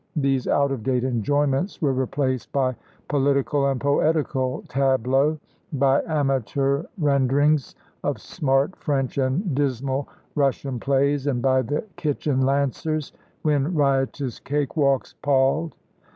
These out of date enjoyments were replaced by political and poetical tableaux, by amateur renderings of smart French and dismal Russian plays, and by the kitchen lancers when riotous cake walks palled.